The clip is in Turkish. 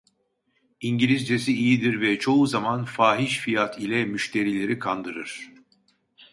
İngilizcesi iyidir ve çoğu zaman fahiş fiyat ile müşterileri kandırır.